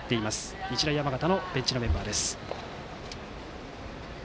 日大山形のベンチのメンバーです。